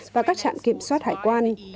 và các trạm kiểm soát hải quan